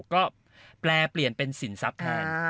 ก็แปลเปลี่ยนเป็นสินทรัพย์แทน